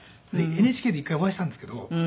ＮＨＫで一回お会いしたんですけど。